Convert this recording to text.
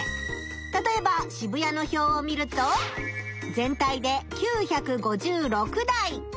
たとえば渋谷の表を見ると全体で９５６台。